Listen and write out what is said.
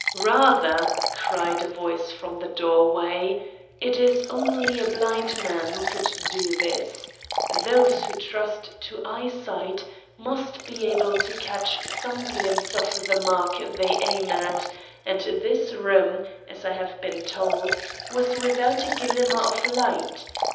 "Rather," cried a voice from the doorway, "it is only a blind man who could do this. Those who trust to eyesight must be able to catch some glimpse of the mark they aim at, and this room, as I have been told, was without a glimmer of light.